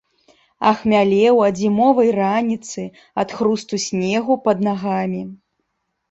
Ахмялеў ад зімовай раніцы, ад хрусту снегу пад нагамі.